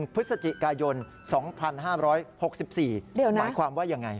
พฤศจิกายน๒๕๖๔หมายความว่ายังไง